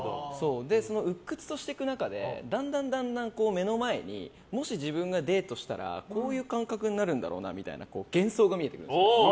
鬱屈としていく中でだんだん目の前にもし自分がデートしたらこういう感覚になるんだろうなみたいな幻想が見えてくるんです。